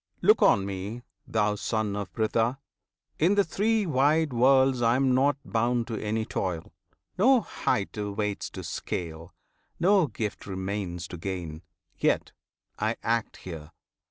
Look on me, Thou Son of Pritha! in the three wide worlds I am not bound to any toil, no height Awaits to scale, no gift remains to gain, Yet I act here!